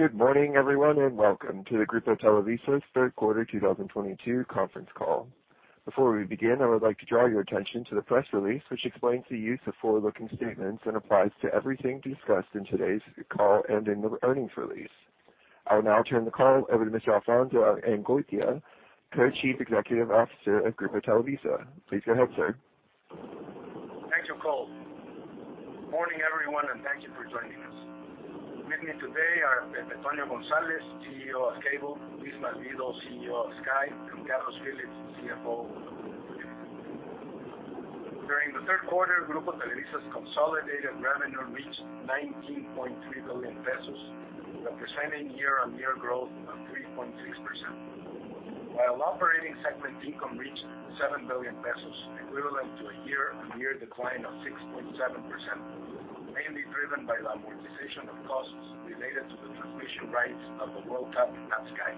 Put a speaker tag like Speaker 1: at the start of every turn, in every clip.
Speaker 1: Good morning, everyone, and welcome to the Grupo Televisa's third quarter 2022 conference call. Before we begin, I would like to draw your attention to the press release, which explains the use of forward-looking statements and applies to everything discussed in today's call and in the earnings release. I will now turn the call over to Mr. Alfonso de Angoitia, Co-Chief Executive Officer of Grupo Televisa. Please go ahead, sir.
Speaker 2: Thanks, Cole. Morning, everyone, and thank you for joining us. With me today are Pepe Toño González, CEO of Cable, Luis Malvido, CEO of Sky, and Carlos Phillips, CFO. During the third quarter, Grupo Televisa's consolidated revenue reached 19.3 billion pesos, representing year-on-year growth of 3.6%. While operating segment income reached 7 billion pesos, equivalent to a year-on-year decline of 6.7%, mainly driven by the amortization of costs related to the transmission rights of the World Cup at Sky.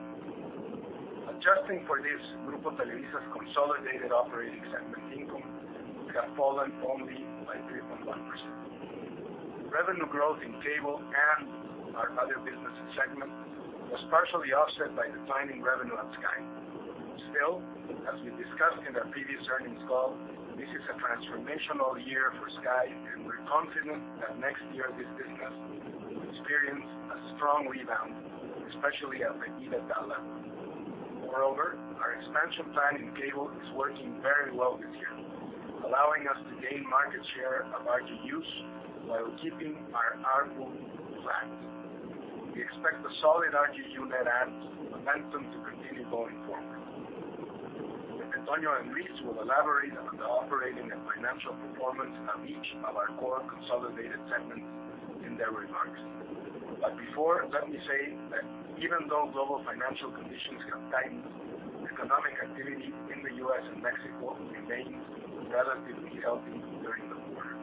Speaker 2: Adjusting for this, Grupo Televisa's consolidated operating segment income would have fallen only by 3.1%. Revenue growth in cable and our other business segment was partially offset by declining revenue at Sky. Still, as we discussed in our previous earnings call, this is a transformational year for Sky, and we're confident that next year this business will experience a strong rebound, especially at the EBITDA level. Moreover, our expansion plan in cable is working very well this year, allowing us to gain market share of RGUs while keeping our ARPU flat. We expect the solid RGU net adds momentum to continue going forward. Antonio and Luis will elaborate on the operating and financial performance of each of our core consolidated segments in their remarks. Before, let me say that even though global financial conditions have tightened, economic activity in the U.S. and Mexico remains relatively healthy during the quarter.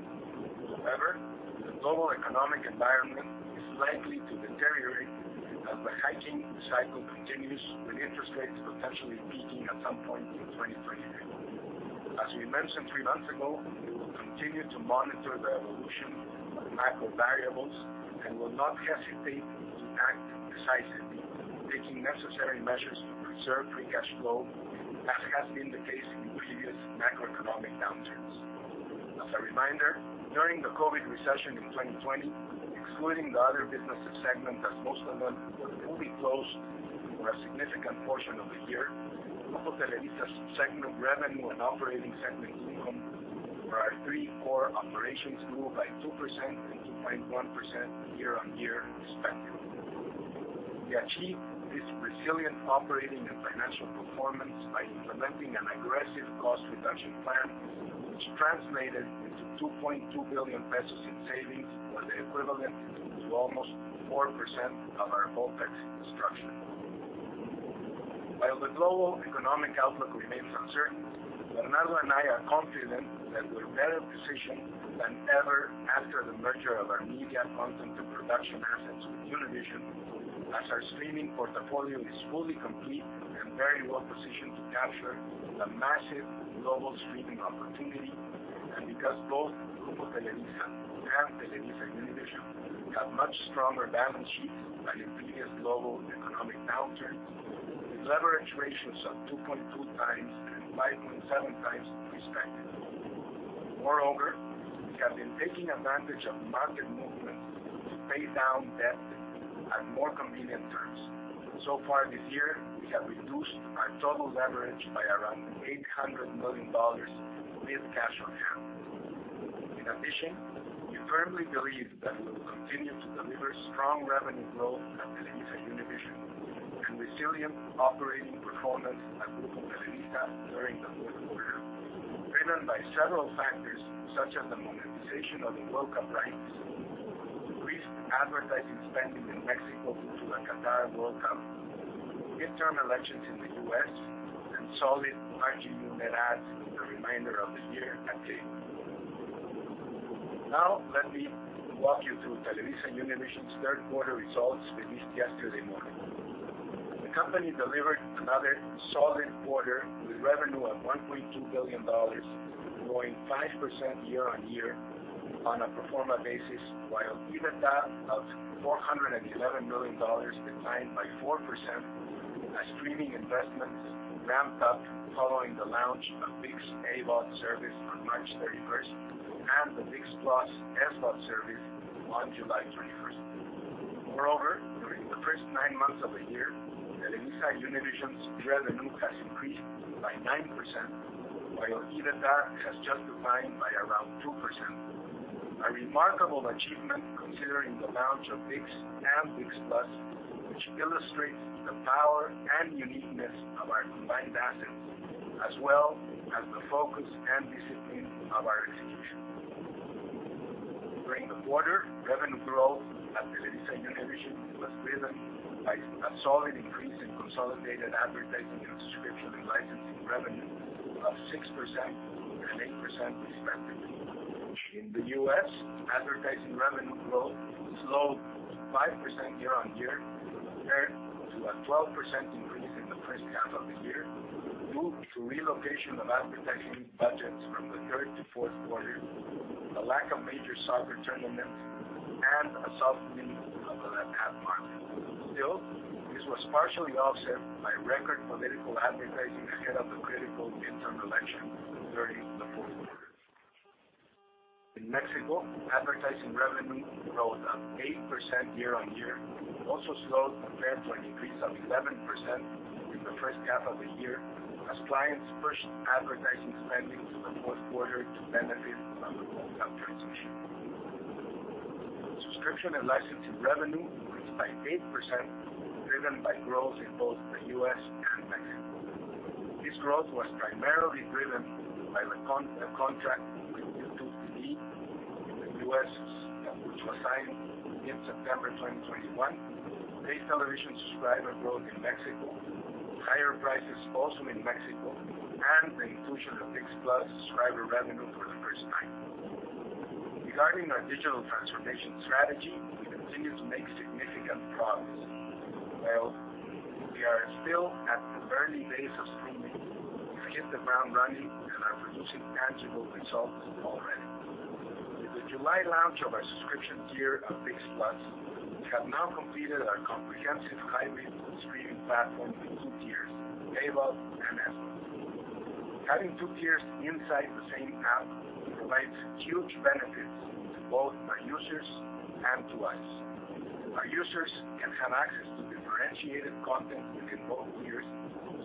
Speaker 2: However, the global economic environment is likely to deteriorate as the hiking cycle continues, with interest rates potentially peaking at some point in 2023. As we mentioned three months ago, we will continue to monitor the evolution of the macro variables and will not hesitate to act decisively, taking necessary measures to preserve free cash flow as has been the case in previous macroeconomic downturns. As a reminder, during the COVID recession in 2020, excluding the other businesses segment as most of them were fully closed for a significant portion of the year, Grupo Televisa's segment revenue and operating segment income for our three core operations grew by 2% and 2.1% year-on-year, respectively. We achieved this resilient operating and financial performance by implementing an aggressive cost reduction plan, which translated into 2.2 billion pesos in savings, or the equivalent to almost 4% of our full cost structure. While the global economic outlook remains uncertain, Bernardo and I are confident that we're better positioned than ever after the merger of our media content and production assets with Univision, as our streaming portfolio is fully complete and very well positioned to capture the massive global streaming opportunity. Because both Grupo Televisa and TelevisaUnivision have much stronger balance sheets than in previous global economic downturns, with leverage ratios of 2.2 times and 5.7 times, respectively. Moreover, we have been taking advantage of market movements to pay down debt at more convenient terms. So far this year, we have reduced our total leverage by around $800 million with cash on hand. In addition, we firmly believe that we will continue to deliver strong revenue growth at TelevisaUnivision and resilient operating performance at Grupo Televisa during the fourth quarter, driven by several factors such as the monetization of the World Cup rights, increased advertising spending in Mexico to the Qatar World Cup, midterm elections in the US, and solid RGU net adds for the remainder of the year at Cable. Now, let me walk you through TelevisaUnivision's third quarter results released yesterday morning. The company delivered another solid quarter with revenue at $1.2 billion, growing 5% year-on-year on a pro forma basis, while EBITDA of $411 million declined by 4% as streaming investments ramped up following the launch of ViX AVOD service on March thirty-first and the ViX+ SVOD service on July thirty-first. Moreover, during the first nine months of the year, TelevisaUnivision's revenue has increased by 9%, while EBITDA has just declined by around 2%. A remarkable achievement considering the launch of ViX and ViX+, which illustrates the power and uniqueness of our combined assets, as well as the focus and discipline of our execution. During the quarter, revenue growth at TelevisaUnivision was driven by a solid increase in consolidated advertising and subscription and licensing revenue of 6% and 8% respectively. In the U.S., advertising revenue growth slowed 5% year-on-year. A 12% increase in the first half of the year moved to relocation of ad protection budgets from the third to fourth quarter, the lack of major soccer tournaments, and a soft media ad market. Still, this was partially offset by record political advertising ahead of the critical midterm election during the fourth quarter. In Mexico, advertising revenue growth of 8% year-on-year also slowed compared to an increase of 11% in the first half of the year as clients pushed advertising spending to the fourth quarter to benefit from the World Cup transition. Subscription and licensing revenue grew by 8%, driven by growth in both the US and Mexico. This growth was primarily driven by the contract with YouTube TV in the US, which was signed in September 2021, pay television subscriber growth in Mexico, higher prices also in Mexico, and the inclusion of ViX+ subscriber revenue for the first time. Regarding our digital transformation strategy, we continue to make significant progress. Well, we are still at the early days of streaming. We've hit the ground running and are producing tangible results already. With the July launch of our subscription tier of ViX+, we have now completed our comprehensive hybrid streaming platform with two tiers, AVOD and SVOD. Having two tiers inside the same app provides huge benefits to both our users and to us. Our users can have access to differentiated content within both tiers,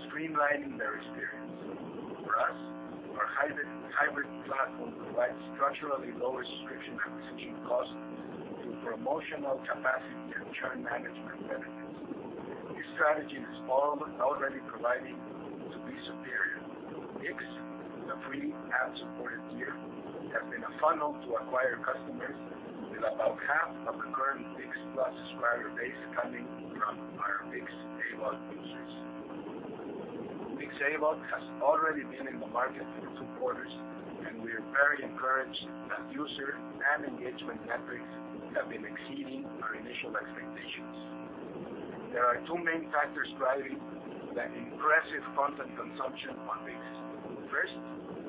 Speaker 2: streamlining their experience. For us, our hybrid platform provides structurally lower subscription acquisition costs through promotional capacity and churn management benefits. This strategy is already proving to be superior. ViX, the free ad-supported tier, has been a funnel to acquire customers with about half of the current ViX+ subscriber base coming from our ViX AVOD users. ViX AVOD has already been in the market for two quarters, and we are very encouraged that user and engagement metrics have been exceeding our initial expectations. There are two main factors driving that impressive content consumption on ViX. First,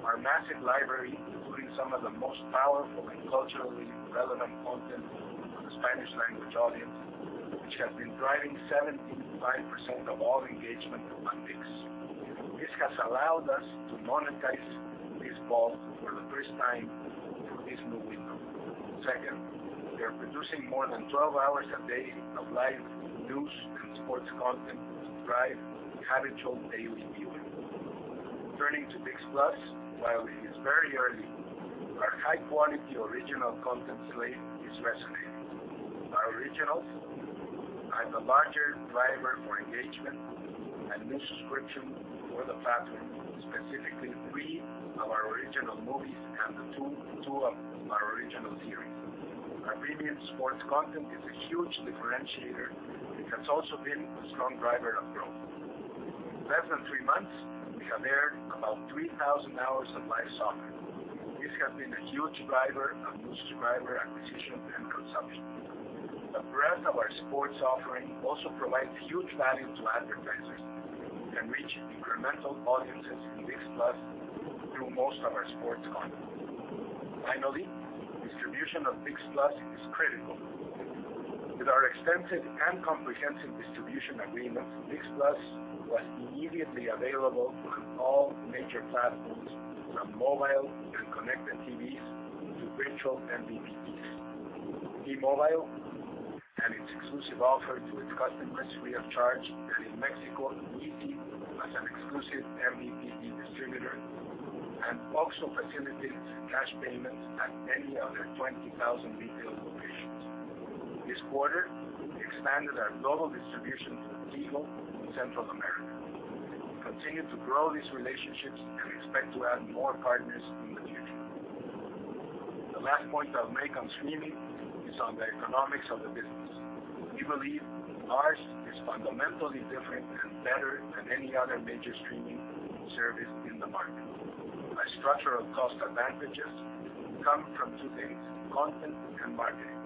Speaker 2: our massive library, including some of the most powerful and culturally relevant content for the Spanish language audience, which has been driving 75% of all engagement on ViX. This has allowed us to monetize ViX Vault for the first time through this new window. Second, we are producing more than 12 hours a day of live news and sports content to drive habitual daily viewing. Turning to ViX+, while it is very early, our high-quality original content slate is resonating. Our originals are the larger driver for engagement and new subscription for the platform, specifically three of our original movies and the two of our original series. Our premium sports content is a huge differentiator and has also been a strong driver of growth. In less than three months, we have aired about 3,000 hours of live soccer. This has been a huge driver of new subscriber acquisition and consumption. The breadth of our sports offering also provides huge value to advertisers who can reach incremental audiences in ViX+ through most of our sports content. Finally, distribution of ViX+ is critical. With our extensive and comprehensive distribution agreements, ViX+ was immediately available on all major platforms, from mobile and connected TVs to virtual MVPDs. T-Mobile had its exclusive offer to its customers free of charge, and in Mexico, Izzi was an exclusive MVPD distributor and also facilitates cash payments at any of their 20,000 retail locations. This quarter, we expanded our global distribution to Tigo in Central America. We continue to grow these relationships and expect to add more partners in the future. The last point I'll make on streaming is on the economics of the business. We believe ours is fundamentally different and better than any other major streaming service in the market. Our structural cost advantages come from two things, content and marketing.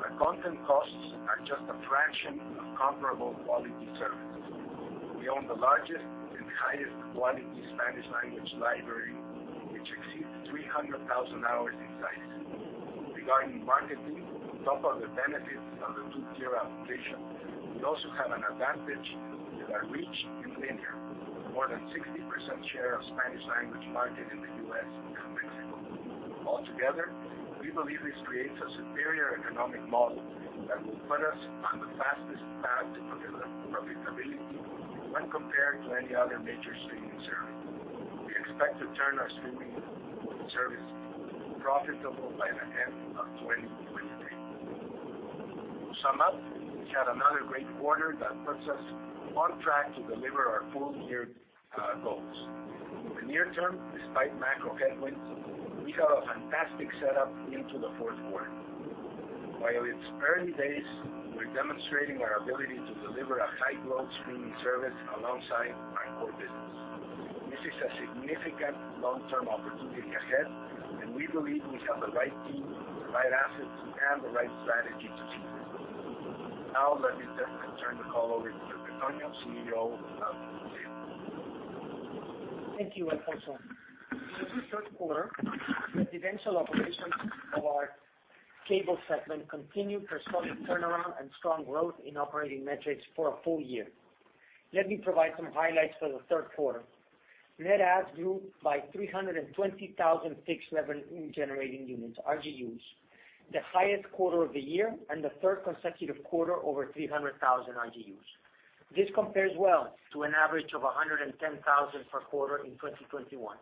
Speaker 2: Our content costs are just a fraction of comparable quality services. We own the largest and highest quality Spanish language library, which exceeds 300,000 hours in size. Regarding marketing, on top of the benefits of the two-tier application, we also have an advantage with our reach in linear, with more than 60% share of Spanish language market in the US and Mexico. Altogether, we believe this creates a superior economic model that will put us on the fastest path to profitability when compared to any other major streaming service. We expect to turn our streaming service profitable by the end of 2023. To sum up, we've had another great quarter that puts us on track to deliver our full year goals. In the near term, despite macro headwinds, we have a fantastic setup into the fourth quarter. While it's early days, we're demonstrating our ability to deliver a high-growth service alongside our core business. This is a significant long-term opportunity ahead, and we believe we have the right team, the right assets, and the right strategy to succeed. Now let me just turn the call over to Pepe Toño, CEO of Cable.
Speaker 3: Thank you, Alfonso. In the third quarter, residential operations of our cable segment continued their solid turnaround and strong growth in operating metrics for a full year. Let me provide some highlights for the third quarter. Net adds grew by 320,000 fixed revenue-generating units, RGUs, the highest quarter of the year and the third consecutive quarter over 300,000 RGUs. This compares well to an average of 110,000 per quarter in 2021.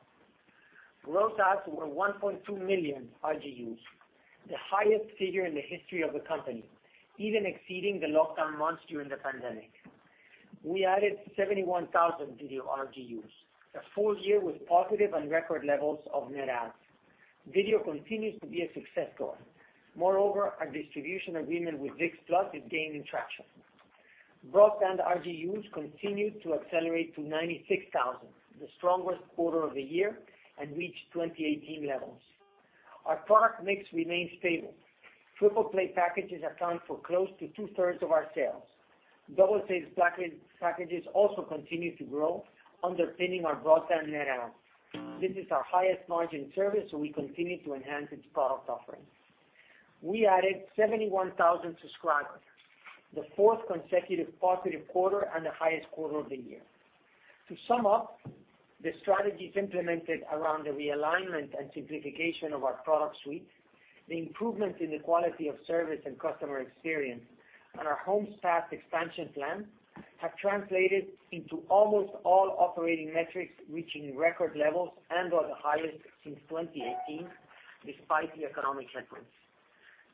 Speaker 3: Gross adds were 1.2 million RGUs, the highest figure in the history of the company, even exceeding the lockdown months during the pandemic. We added 71,000 video RGUs. A full year with positive and record levels of net adds. Video continues to be a success story. Moreover, our distribution agreement with ViX+ is gaining traction. Broadband RGUs continued to accelerate to 96,000, the strongest quarter of the year, and reached 2018 levels. Our product mix remains stable. Triple play packages account for close to two-thirds of our sales. Double play packages also continue to grow, underpinning our broadband net adds. This is our highest margin service, so we continue to enhance its product offering. We added 71,000 subscribers, the fourth consecutive positive quarter and the highest quarter of the year. To sum up, the strategies implemented around the realignment and simplification of our product suite, the improvements in the quality of service and customer experience, and our home staff expansion plan, have translated into almost all operating metrics reaching record levels and/or the highest since 2018, despite the economic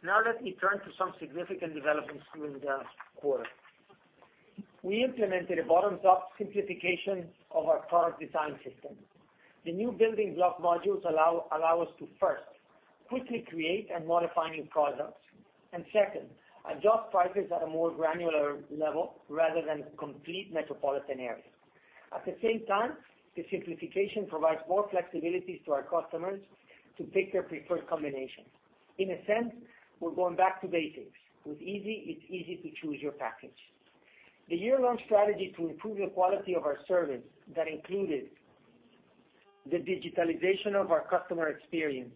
Speaker 3: headwinds. Now let me turn to some significant developments during the quarter. We implemented a bottoms-up simplification of our product design system. The new building block modules allow us to, first, quickly create and modify new products. Second, adjust prices at a more granular level rather than complete metropolitan area. At the same time, the simplification provides more flexibilities to our customers to pick their preferred combination. In a sense, we're going back to basics. With Izzi, it's easy to choose your package. The year-long strategy to improve the quality of our service that included the digitalization of our customer experience,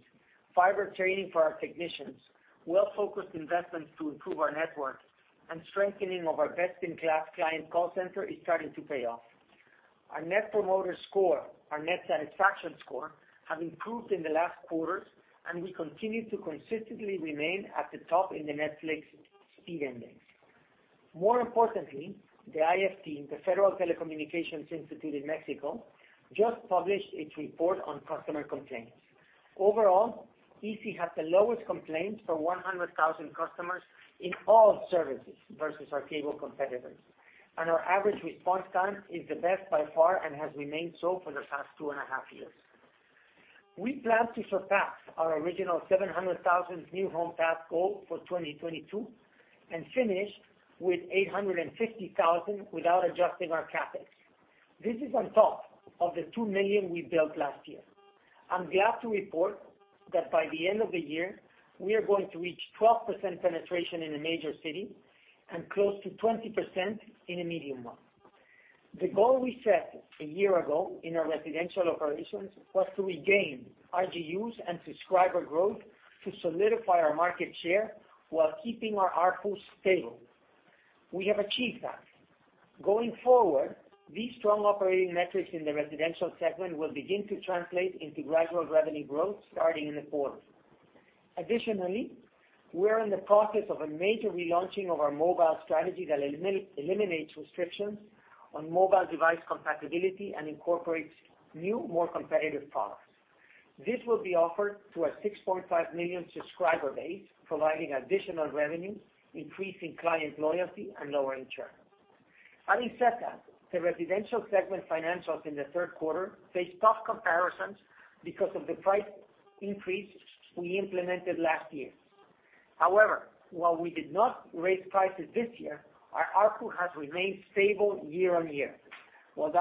Speaker 3: fiber training for our technicians, well-focused investments to improve our network, and strengthening of our best-in-class client call center is starting to pay off. Our Net Promoter Score, our net satisfaction score, have improved in the last quarters, and we continue to consistently remain at the top in the Netflix ISP Speed Index. More importantly, the IFT, the Federal Telecommunications Institute in Mexico, just published its report on customer complaints. Overall, Izzi has the lowest complaints per 100,000 customers in all services versus our cable competitors, and our average response time is the best by far and has remained so for the past two and a half years. We plan to surpass our original 700,000 new home pass goal for 2022 and finish with 850,000 without adjusting our CapEx. This is on top of the 2 million we built last year. I'm glad to report that by the end of the year, we are going to reach 12% penetration in a major city and close to 20% in a medium one. The goal we set a year ago in our residential operations was to regain RGUs and subscriber growth to solidify our market share while keeping our ARPU stable. We have achieved that. Going forward, these strong operating metrics in the residential segment will begin to translate into gradual revenue growth starting in the quarter. Additionally, we are in the process of a major relaunching of our mobile strategy that eliminates restrictions on mobile device compatibility and incorporates new, more competitive products. This will be offered to our 6.5 million subscriber base, providing additional revenue, increasing client loyalty, and lowering churn. At Iusacell, the residential segment financials in the third quarter face tough comparisons because of the price increase we implemented last year. However, while we did not raise prices this year, our ARPU has remained stable year-on-year. While that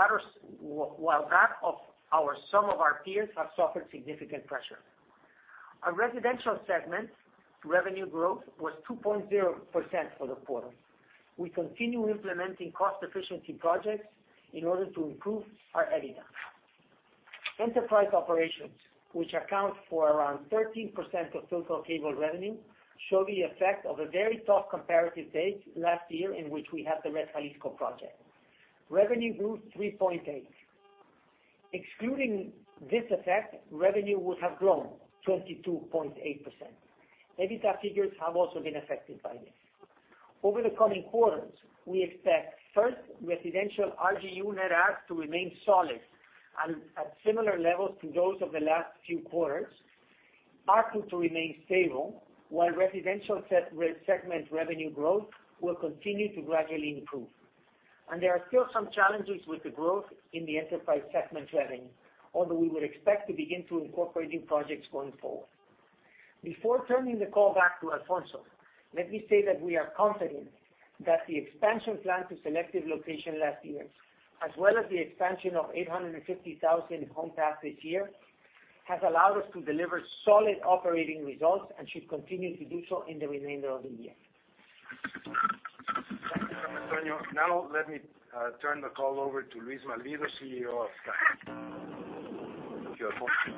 Speaker 3: of ours, some of our peers have suffered significant pressure. Our residential segment revenue growth was 2.0% for the quarter. We continue implementing cost efficiency projects in order to improve our EBITDA. Enterprise operations, which account for around 13% of total cable revenue, show the effect of a very tough comparative base last year in which we have the Red Jalisco project. Revenue grew 3.8%. Excluding this effect, revenue would have grown 22.8%. EBITDA figures have also been affected by this. Over the coming quarters, we expect first, residential RGU net adds to remain solid and at similar levels to those of the last few quarters. ARPU to remain stable, while residential segment revenue growth will continue to gradually improve. There are still some challenges with the growth in the enterprise segment revenue, although we would expect to begin to incorporate new projects going forward. Before turning the call back to Alfonso, let me say that we are confident that the expansion plan to selected locations last year, as well as the expansion of 850,000 homes passed this year, has allowed us to deliver solid operating results and should continue to do so in the remainder of the year.
Speaker 2: Thank you, Pepe Toño. Now let me turn the call over to Luis Malvido, CEO of Sky. If you are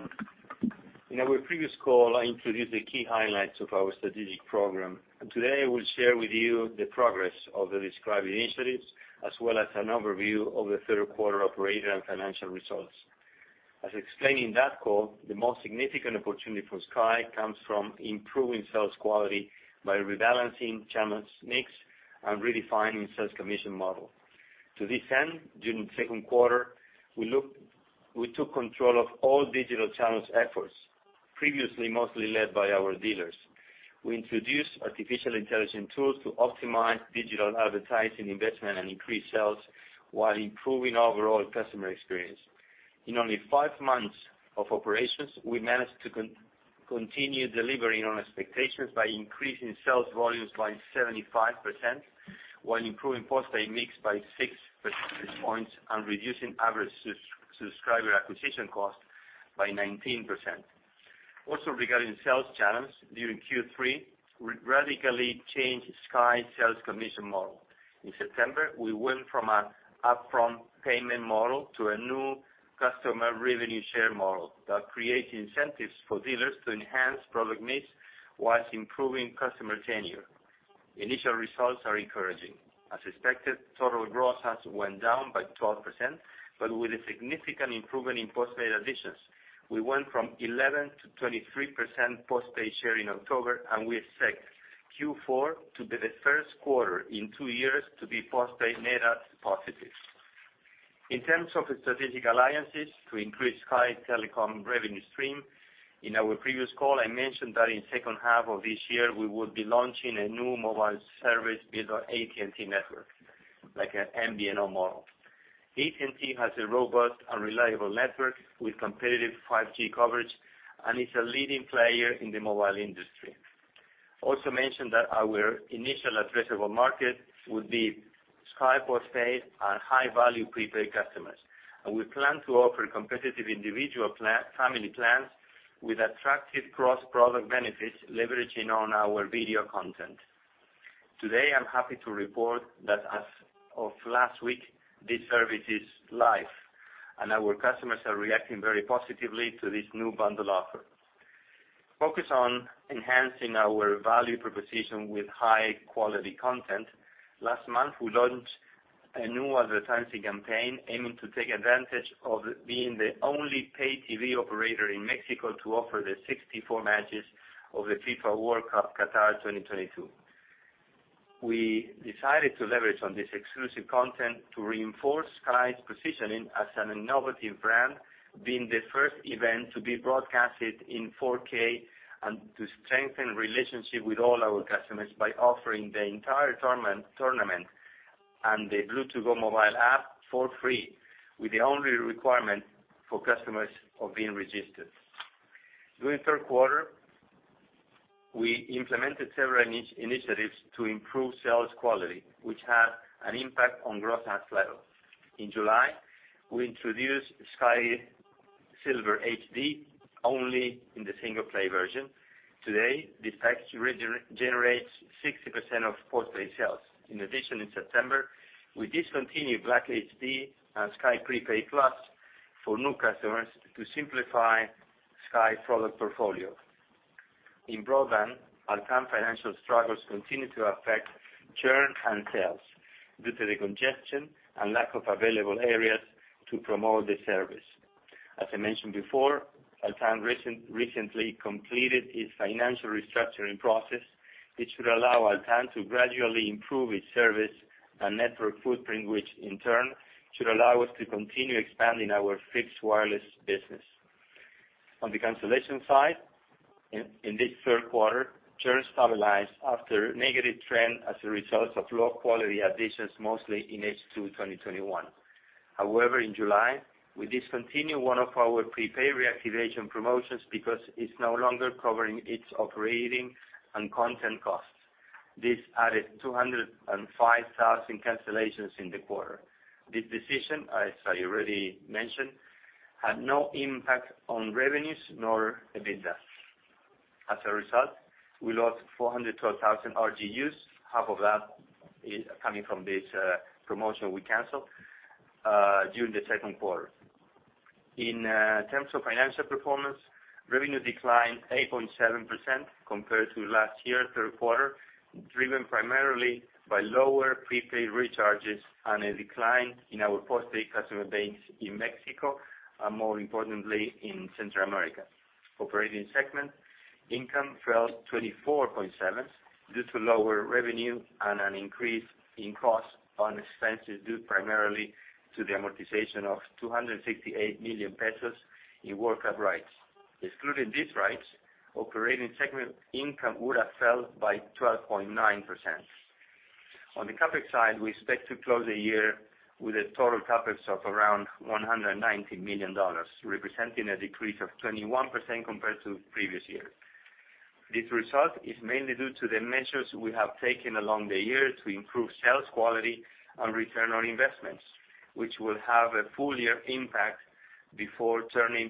Speaker 4: In our previous call, I introduced the key highlights of our strategic program, and today I will share with you the progress of the described initiatives as well as an overview of the third quarter operating and financial results. As explained in that call, the most significant opportunity for Sky comes from improving sales quality by rebalancing channels mix and redefining sales commission model. To this end, during the second quarter, we took control of all digital channels efforts previously mostly led by our dealers. We introduced artificial intelligence tools to optimize digital advertising investment and increase sales while improving overall customer experience. In only five months of operations, we managed to continue delivering on expectations by increasing sales volumes by 75% while improving postpaid mix by six percentage points and reducing average subscriber acquisition cost by 19%. Regarding sales channels, during Q3, we radically changed Sky sales commission model. In September, we went from a upfront payment model to a new customer revenue share model that creates incentives for dealers to enhance product mix while improving customer tenure. Initial results are encouraging. As expected, total growth has went down by 12%, but with a significant improvement in postpaid additions. We went from 11% to 23% postpaid share in October, and we expect Q4 to be the first quarter in two years to be postpaid net add positive. In terms of strategic alliances to increase Sky telecom revenue stream, in our previous call, I mentioned that in second half of this year we would be launching a new mobile service with our AT&T network, like an MVNO model. AT&T has a robust and reliable network with competitive 5G coverage and is a leading player in the mobile industry. Also mentioned that our initial addressable market would be Sky postpaid and high-value prepaid customers. We plan to offer competitive individual plan, family plans with attractive cross-product benefits leveraging on our video content. Today, I'm happy to report that as of last week, this service is live, and our customers are reacting very positively to this new bundle offer. Focus on enhancing our value proposition with high-quality content. Last month, we launched a new advertising campaign aiming to take advantage of being the only paid TV operator in Mexico to offer the 64 matches of the FIFA World Cup Qatar 2022. We decided to leverage on this exclusive content to reinforce Sky's positioning as an innovative brand, being the first event to be broadcasted in 4K, and to strengthen relationship with all our customers by offering the entire tournament and the Blue To Go mobile app for free, with the only requirement for customers of being registered. During third quarter, we implemented several initiatives to improve sales quality, which had an impact on growth at some level. In July, we introduced Sky Silver HD only in the single play version. Today, this package generates 60% of postpaid sales. In addition, in September, we discontinued Sky Black HD and Sky Prepaid Plus for new customers to simplify Sky product portfolio. In broadband, Altán's financial struggles continue to affect churn and sales due to the congestion and lack of available areas to promote the service. As I mentioned before, Altán recently completed its financial restructuring process, which should allow Altán to gradually improve its service and network footprint, which in turn should allow us to continue expanding our fixed wireless business. On the cancellation side, in this third quarter, churn stabilized after negative trend as a result of low quality additions, mostly in H2 2021. However, in July, we discontinued one of our prepaid reactivation promotions because it's no longer covering its operating and content costs. This added 205,000 cancellations in the quarter. This decision, as I already mentioned, had no impact on revenues nor EBITDA. As a result, we lost 412,000 RGUs, half of that is coming from this promotion we canceled during the second quarter. In terms of financial performance, revenue declined 8.7% compared to last year third quarter, driven primarily by lower prepaid recharges and a decline in our postpaid customer base in Mexico and more importantly, in Central America. Operating segment income fell 24.7% due to lower revenue and an increase in costs and expenses due primarily to the amortization of 268 million pesos in World Cup rights. Excluding these rights, operating segment income would have fell by 12.9%. On the CapEx side, we expect to close the year with a total CapEx of around $190 million, representing a decrease of 21% compared to previous year. This result is mainly due to the measures we have taken along the year to improve sales quality and return on investments, which will have a full year impact before turning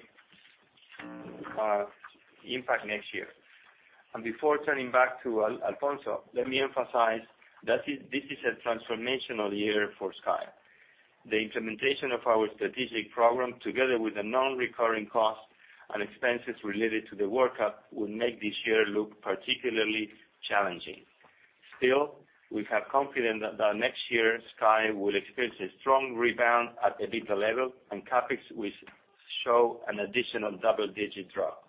Speaker 4: impact next year. Before turning back to Alfonso, let me emphasize that this is a transformational year for Sky. The implementation of our strategic program, together with the non-recurring costs and expenses related to the World Cup, will make this year look particularly challenging. Still, we have confidence that the next year Sky will experience a strong rebound at EBITDA level and CapEx will show an additional double-digit drop.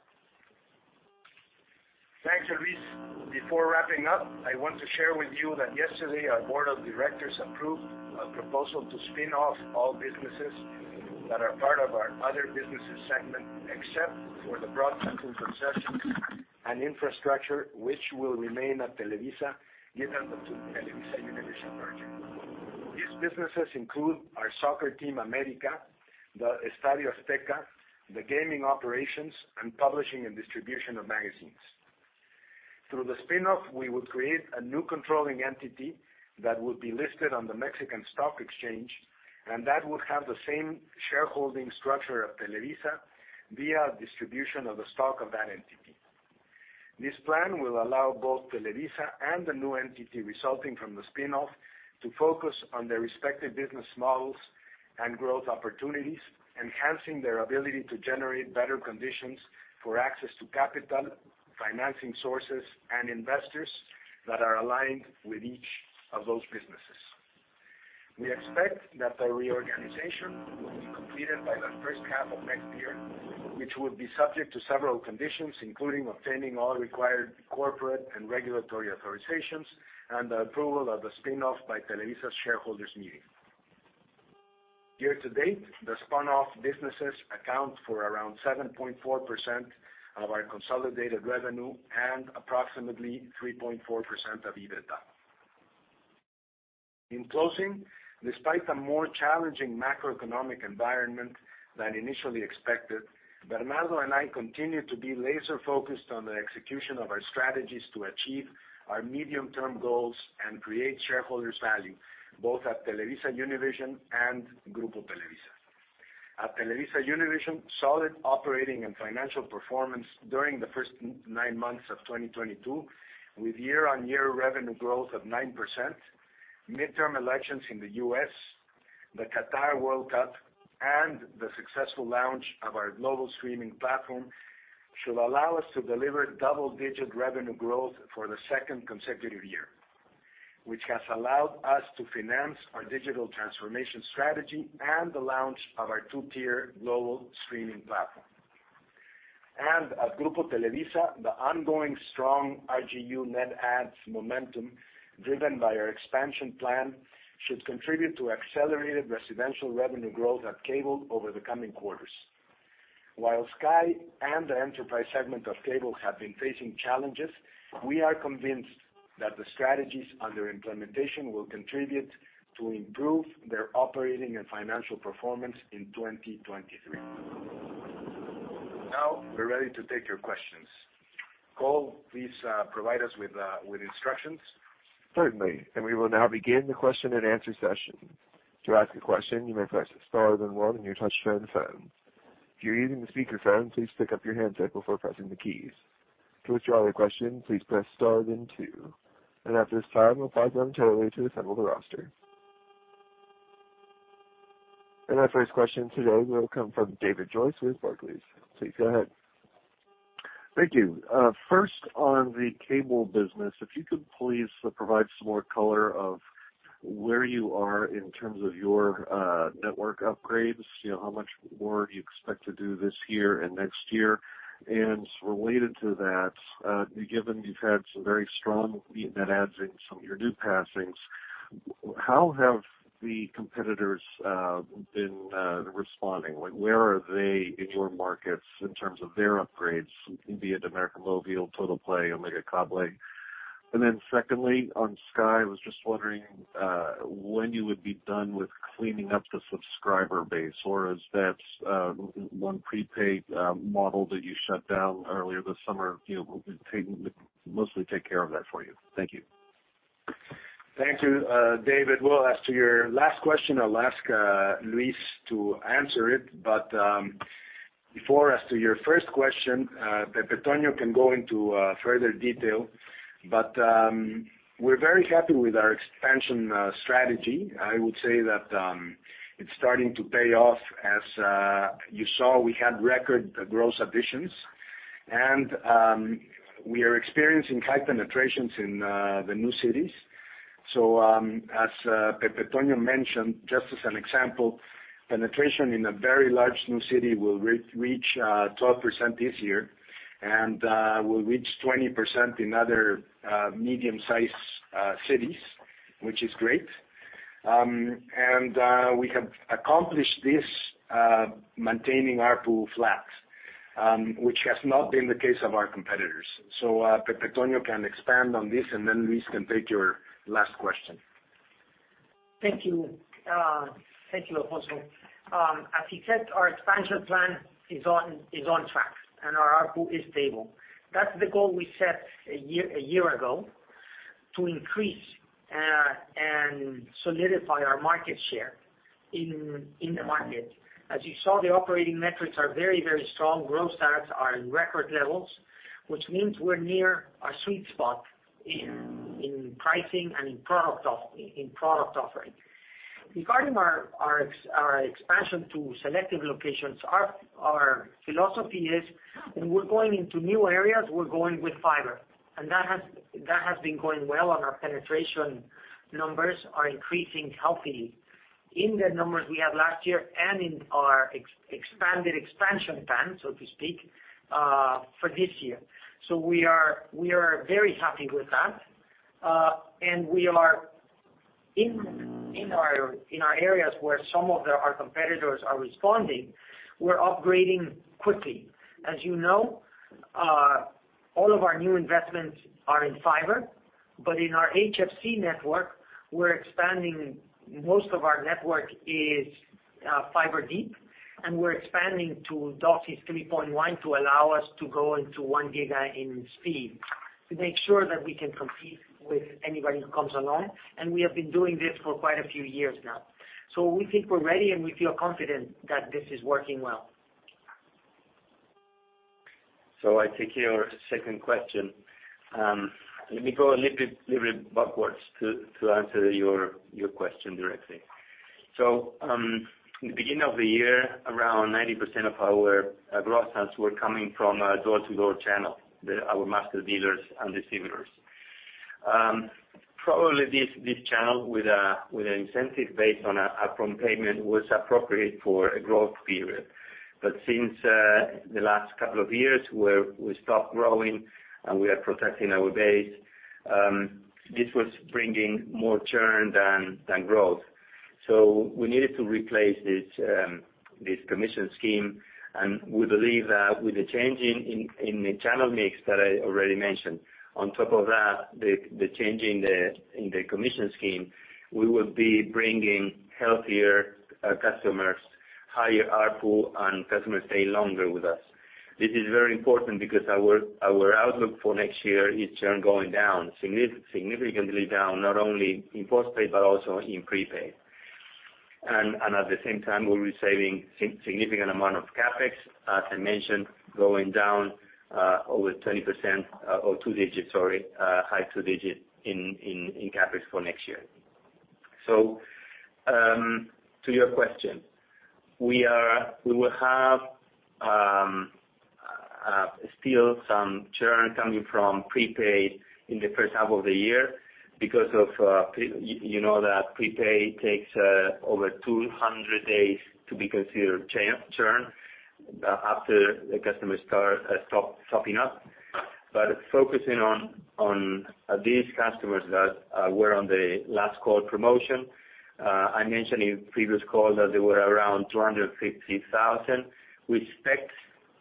Speaker 2: Thanks, Luis. Before wrapping up, I want to share with you that yesterday our board of directors approved a proposal to spin off all businesses that are part of our other businesses segment, except for the broadcasting concessions and infrastructure which will remain at Televisa given the TelevisaUnivision merger. These businesses include our soccer team, América, the Estadio Azteca, the gaming operations, and publishing and distribution of magazines. Through the spin-off, we will create a new controlling entity that will be listed on the Mexican Stock Exchange, and that will have the same shareholding structure of Televisa via distribution of the stock of that entity. This plan will allow both Televisa and the new entity resulting from the spin-off to focus on their respective business models and growth opportunities, enhancing their ability to generate better conditions for access to capital, financing sources and investors that are aligned with each of those businesses. We expect that the reorganization will be completed by the first half of next year, which will be subject to several conditions, including obtaining all required corporate and regulatory authorizations and the approval of the spin-off by Televisa's shareholders meeting. Year to date, the spun-off businesses account for around 7.4% of our consolidated revenue and approximately 3.4% of EBITDA. In closing, despite the more challenging macroeconomic environment than initially expected, Bernardo and I continue to be laser-focused on the execution of our strategies to achieve our medium-term goals and create shareholder value, both at TelevisaUnivision and Grupo Televisa. At TelevisaUnivision, solid operating and financial performance during the first nine months of 2022, with year-on-year revenue growth of 9%, midterm elections in the U.S., the Qatar World Cup, and the successful launch of our global streaming platform should allow us to deliver double-digit revenue growth for the second consecutive year, which has allowed us to finance our digital transformation strategy and the launch of our two-tier global streaming platform. At Grupo Televisa, the ongoing strong RGU net adds momentum driven by our expansion plan should contribute to accelerated residential revenue growth at Cable over the coming quarters. While Sky and the enterprise segment of Cable have been facing challenges, we are convinced that the strategies under implementation will contribute to improve their operating and financial performance in 2023. Now we're ready to take your questions. Cole, please, provide us with instructions.
Speaker 1: Certainly. We will now begin the question and answer session. To ask a question, you may press star then one on your touchtone phone. If you're using a speakerphone, please pick up your handset before pressing the keys. To withdraw your question, please press star then two. At this time, I'll pause momentarily to assemble the roster. Our first question today will come from David Joyce with Barclays. Please go ahead.
Speaker 5: Thank you. First on the Cable business, if you could please provide some more color on where you are in terms of your network upgrades. You know, how much more you expect to do this year and next year. Related to that, given you've had some very strong net adds in some of your new passings, how have the competitors been responding? Like, where are they in your markets in terms of their upgrades, be it América Móvil, Totalplay, Megacable? Secondly, on Sky, I was just wondering when you would be done with cleaning up the subscriber base, or has that one prepaid model that you shut down earlier this summer, you know, mostly taken care of that for you? Thank you.
Speaker 2: Thank you, David. Well, as to your last question, I'll ask Luis to answer it. Before, as to your first question, Pepe Tono can go into further detail, but we're very happy with our expansion strategy. I would say that it's starting to pay off. You saw, we had record gross additions and we are experiencing high penetrations in the new cities. As Pepetono mentioned, just as an example, penetration in a very large new city will reach 12% this year and will reach 20% in other medium-sized cities, which is reat. We have accomplished this, maintaining ARPU flat, which has not been the case of our competitors. Pepe Toño can expand on this, and then Luis can take your last question.
Speaker 3: Thank you. Thank you, Alfonso. As he said, our expansion plan is on track, and our ARPU is stable. That's the goal we set a year ago to increase and solidify our market share in the market. As you saw, the operating metrics are very strong. Growth stats are in record levels, which means we're near our sweet spot in pricing and in product offering. Regarding our expansion to selective locations, our philosophy is when we're going into new areas, we're going with fiber. That has been going well, and our penetration numbers are increasing, healthy in the numbers we had last year and in our expanded expansion plan, so to speak, for this year. We are very happy with that. We are in our areas where some of our competitors are responding, we're upgrading quickly. As you know, all of our new investments are in fiber, but in our HFC network, we're expanding. Most of our network is fiber deep, and we're expanding to DOCSIS 3.1 to allow us to go into 1 giga in speed to make sure that we can compete with anybody who comes along. We have been doing this for quite a few years now. We think we're ready, and we feel confident that this is working well.
Speaker 4: I take your second question. Let me go a little bit backwards to answer your question directly. In the beginning of the year, around 90% of our growth stats were coming from our door-to-door channel, our master dealers and distributors. Probably this channel with an incentive based on a prompt payment was appropriate for a growth period. Since the last couple of years where we stopped growing and we are protecting our base, this was bringing more churn than growth. We needed to replace this commission scheme. We believe that with the change in the channel mix that I already mentioned, on top of that, the change in the commission scheme, we will be bringing healthier customers, higher ARPU, and customers stay longer with us. This is very important because our outlook for next year is churn going down, significantly down, not only in postpaid, but also in prepaid. At the same time, we'll be saving significant amount of CapEx, as I mentioned, going down over 20%, or high two-digit in CapEx for next year. To your question. We will have still some churn coming from prepaid in the first half of the year because You know that prepaid takes over 200 days to be considered churn after the customer starts to stop topping up. Focusing on these customers that were on the last call promotion, I mentioned in previous calls that they were around 250,000. We expect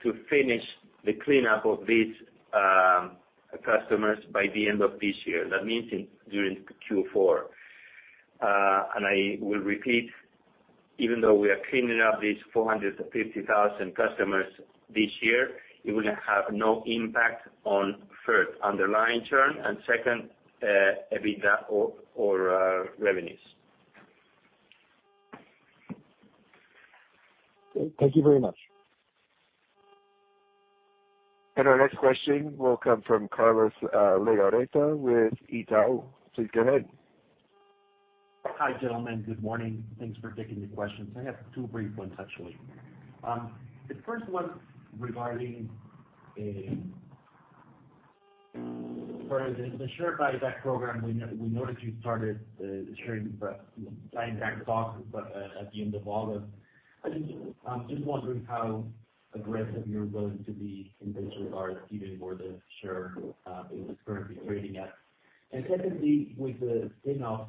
Speaker 4: to finish the cleanup of these customers by the end of this year. That means during Q4. I will repeat, even though we are cleaning up these 450,000 customers this year, it will have no impact on, first, underlying churn, and second, EBITDA or revenues.
Speaker 5: Thank you very much.
Speaker 1: Our next question will come from Carlos Legarreta with Itaú. Please go ahead.
Speaker 6: Hi, gentlemen. Good morning. Thanks for taking the questions. I have two brief ones, actually. The first one regarding the share buyback program, we noticed you started share buyback, buying back stock, but at the end of August. I'm just wondering how aggressive you're going to be in this regard, given where the share is currently trading at. Secondly, with the spin-off,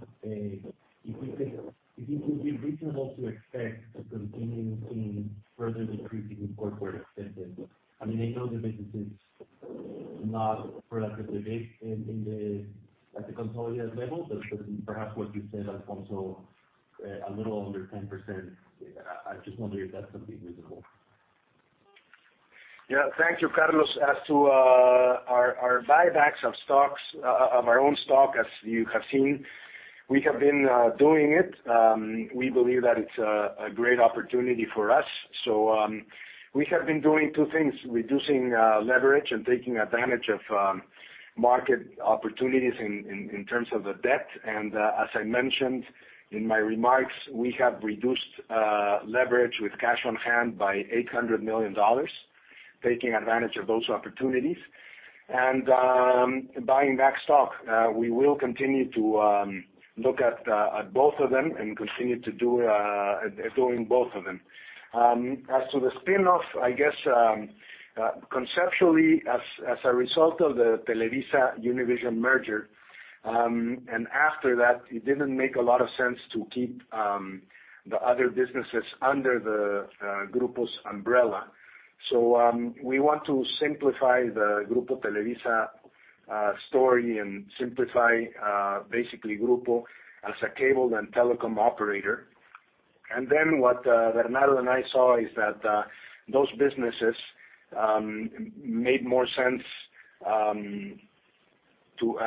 Speaker 6: if we think it would be reasonable to expect to continue seeing further decreasing in corporate spending. I mean, I know the business is not proportionately big at the consolidated level, but perhaps what you said, Alfonso, a little under 10%. I just wonder if that's something reasonable.
Speaker 2: Yeah. Thank you, Carlos. As to our buybacks of our own stock, as you have seen, we have been doing it. We believe that it's a great opportunity for us. We have been doing two things, reducing leverage and taking advantage of market opportunities in terms of the debt. As I mentioned in my remarks, we have reduced leverage with cash on hand by $800 million, taking advantage of those opportunities. Buying back stock, we will continue to look at both of them and continue to do both of them. As to the spin-off, I guess conceptually, as a result of the TelevisaUnivision merger. After that, it didn't make a lot of sense to keep the other businesses under the Grupo's umbrella. We want to simplify the Grupo Televisa story and simplify basically Grupo as a cable and telecom operator. What Bernardo and I saw is that those businesses made more sense I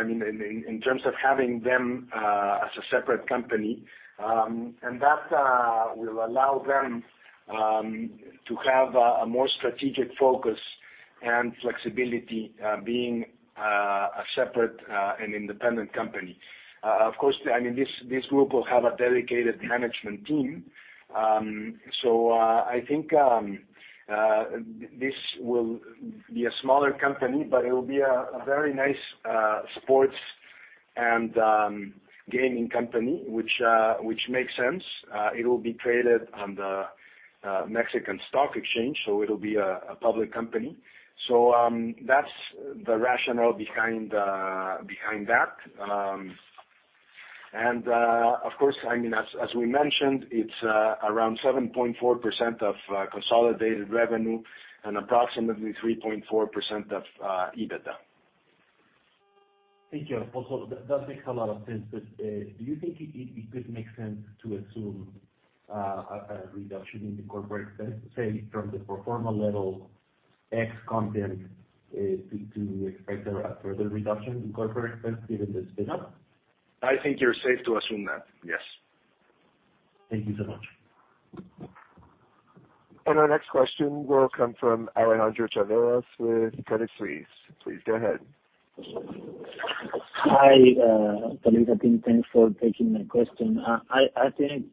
Speaker 2: mean in terms of having them as a separate company, and that will allow them to have a more strategic focus and flexibility being a separate and independent company. Of course, I mean, this group will have a dedicated management team. I think this will be a smaller company, but it will be a very nice sports and gaming company, which makes sense. It will be traded on the Mexican Stock Exchange, so it'll be a public company. That's the rationale behind that. Of course, I mean, as we mentioned, it's around 7.4% of consolidated revenue and approximately 3.4% of EBITDA.
Speaker 6: Thank you. Also, that makes a lot of sense. Do you think it could make sense to assume a reduction in the corporate spend, say, from the pro forma level ex content to expect a further reduction in corporate spend given the spin-off?
Speaker 2: I think you're safe to assume that, yes.
Speaker 6: Thank you so much.
Speaker 1: Our next question will come from Alejandro Chavelo with Credit Suisse. Please go ahead.
Speaker 7: Hi, Televisa team. Thanks for taking my question. I think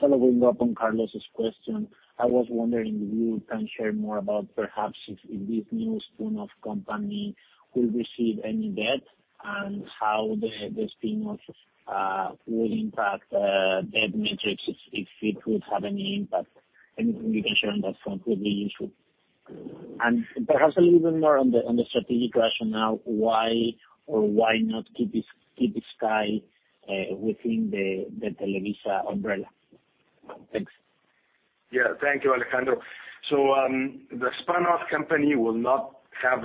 Speaker 7: following up on Carlos's question, I was wondering if you can share more about perhaps if this new spin-off company will receive any debt and how the spin-off will impact debt metrics, if it would have any impact. Anything you can share on that front would be useful. Perhaps a little bit more on the strategic rationale, why or why not keep Sky within the Televisa umbrella? Thanks.
Speaker 2: Yeah. Thank you, Alejandro. The spin-off company will not have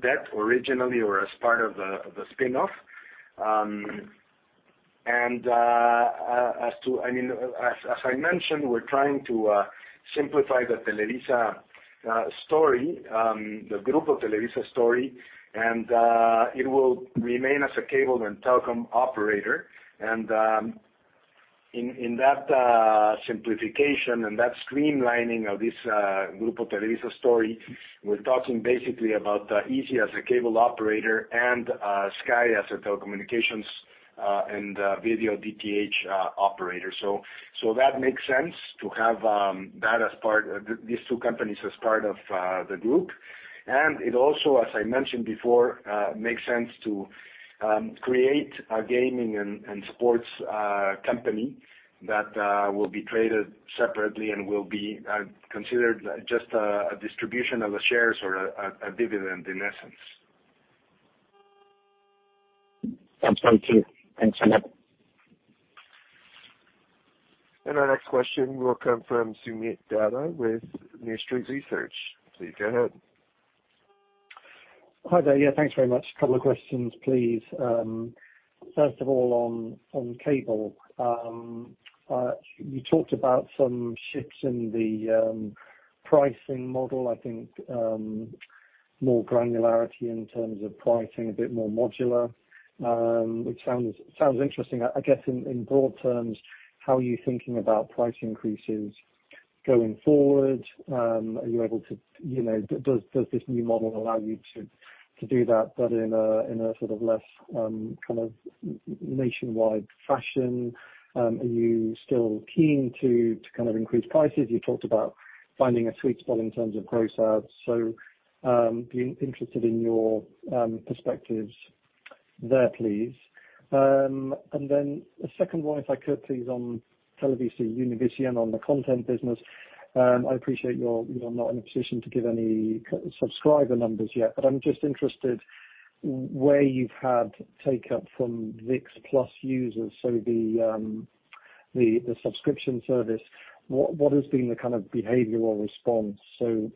Speaker 2: debt originally or as part of the spin-off. I mean, as I mentioned, we're trying to simplify the Televisa story, the Grupo Televisa story, and it will remain as a cable and telecom operator. In that simplification and that streamlining of this Grupo Televisa story, we're talking basically about Izzi as a cable operator and Sky as a telecommunications and video DTH operator. That makes sense to have these two companies as part of the group. It also, as I mentioned before, makes sense to create a gaming and sports company that will be traded separately and will be considered just a distribution of the shares or a dividend in essence.
Speaker 7: That's very clear. Thanks a lot.
Speaker 1: Our next question will come from Soomit Datta with New Street Research. Please go ahead.
Speaker 8: Hi there. Yeah, thanks very much. A couple of questions, please. First of all, on cable. You talked about some shifts in the pricing model. I think more granularity in terms of pricing, a bit more modular, which sounds interesting. I guess in broad terms, how are you thinking about price increases going forward? Are you able to, you know, does this new model allow you to do that, but in a sort of less kind of nationwide fashion? Are you still keen to kind of increase prices? You talked about finding a sweet spot in terms of gross adds. Be interested in your perspectives there, please. And then the second one, if I could please, on TelevisaUnivision on the content business. I appreciate you're not in a position to give any subscriber numbers yet, but I'm just interested in where you've had take-up from ViX+ users. The subscription service, what has been the kind of behavioral response? You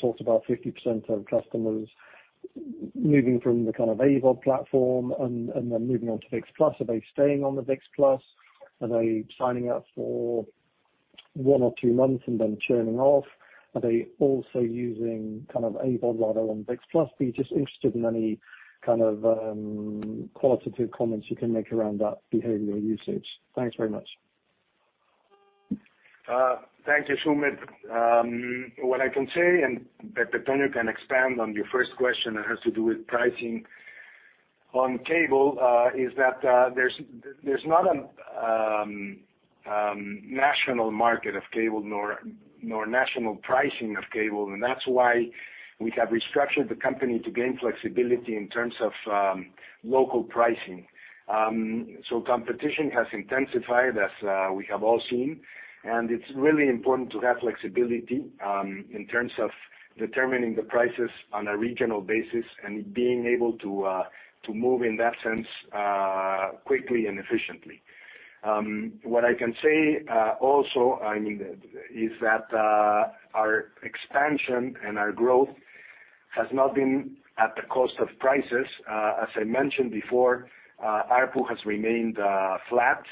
Speaker 8: talked about 50% of customers moving from the kind of AVOD platform and then moving on to ViX+. Are they staying on the ViX+? Are they signing up for one or two months and then churning off? Are they also using kind of AVOD latter on ViX+? I'm just interested in any kind of qualitative comments you can make around that behavioral usage. Thanks very much./
Speaker 2: Thank you, Sumit. What I can say, and Pepe Toño can expand on your first question that has to do with pricing on Cable, is that, there's not a national market of Cable nor national pricing of Cable, and that's why we have restructured the company to gain flexibility in terms of local pricing. Competition has intensified as we have all seen, and it's really important to have flexibility in terms of determining the prices on a regional basis and being able to move in that sense quickly and efficiently. What I can say also, I mean, is that, our expansion and our growth has not been at the cost of prices. As I mentioned before, ARPU has remained flat,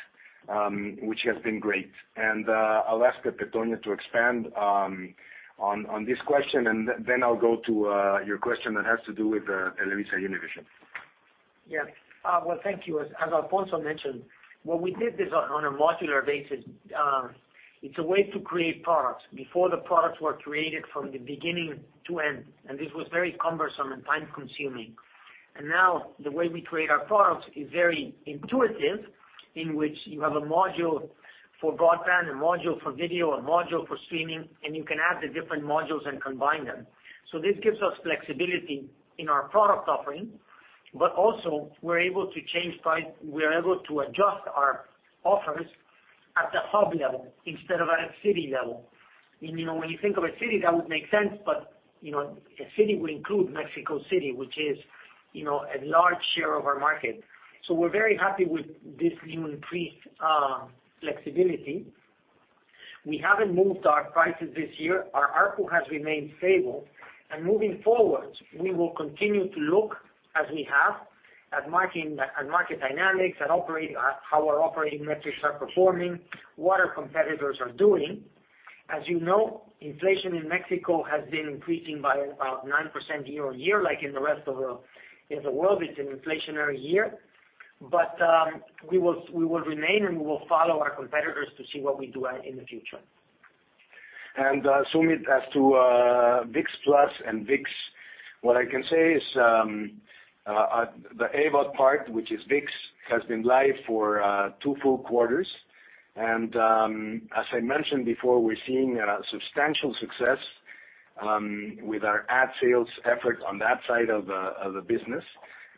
Speaker 2: which has been great. I'll ask Pepe Toño to expand on this question, and then I'll go to your question that has to do with TelevisaUnivision.
Speaker 3: Yeah. Well, thank you. As Alfonso mentioned, when we did this on a modular basis, it's a way to create products. Before, the products were created from the beginning to end, and this was very cumbersome and time-consuming. Now the way we create our products is very intuitive, in which you have a module for broadband, a module for video, a module for streaming, and you can add the different modules and combine them. This gives us flexibility in our product offering, but also we're able to change price. We're able to adjust our offers at the hub level instead of at a city level. You know, when you think of a city, that would make sense, but, you know, a city will include Mexico City, which is, you know, a large share of our market. We're very happy with this new increased flexibility. We haven't moved our prices this year. Our ARPU has remained stable. Moving forward, we will continue to look, as we have, at market dynamics, at how our operating metrics are performing, what our competitors are doing. As you know, inflation in Mexico has been increasing by about 9% year-on-year, like in the rest of the world. It's an inflationary year. We will remain and we will follow our competitors to see what we do in the future.
Speaker 2: Sumit, as to ViX+ and ViX, what I can say is the AVOD part, which is ViX, has been live for two full quarters. As I mentioned before, we're seeing substantial success with our ad sales effort on that side of the business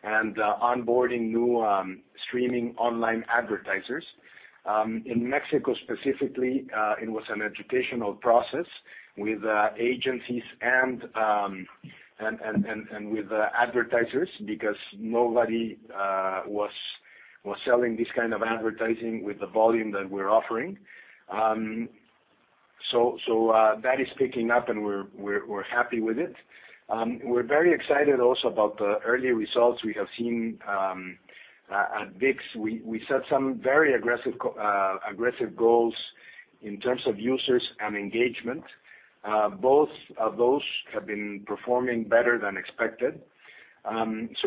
Speaker 2: and onboarding new streaming online advertisers. In Mexico specifically, it was an educational process with agencies and with advertisers because nobody was selling this kind of advertising with the volume that we're offering. That is picking up, and we're happy with it. We're very excited also about the early results we have seen at ViX. We set some very aggressive goals in terms of users and engagement. Both of those have been performing better than expected.